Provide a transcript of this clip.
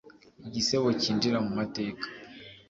igisebo kinjira mu mateka